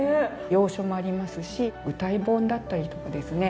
洋書もありますし謡本だったりとかですね